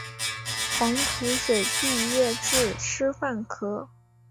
黄土水毕业自师范科